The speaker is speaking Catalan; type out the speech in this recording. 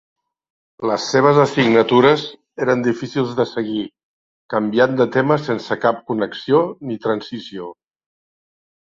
Les seves assignatures eren difícils de seguir, canviant de tema sense cap connexió ni transició.